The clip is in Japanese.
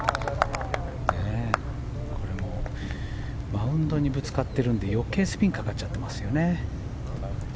マウンドにぶつかっているんで余計、スピンかかっちゃっていますよね。